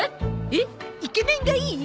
えっ？イケメンがいい？